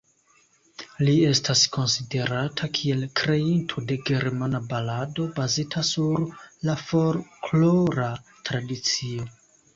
Li estas konsiderata kiel kreinto de germana balado, bazita sur la folklora tradicio.